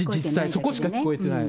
そこしか聞こえてない。